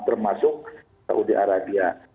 termasuk saudi arabia